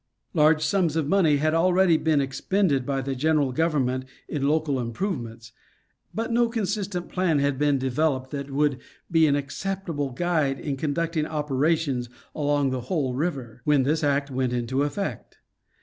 Large sums of money had already been expended by the gen eral government in local improvements, but no consistent plan had been developed that would be an acceptable guide in con ducting operations along the whole river, when this act went into effect.